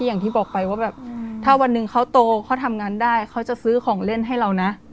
อย่างที่บอกไปว่าแบบถ้าวันหนึ่งเขาโตเขาทำงานได้เขาจะซื้อของเล่นให้เรานะ